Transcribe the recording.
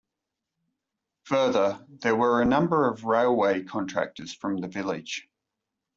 Further, there were a number of railway contractors from the village.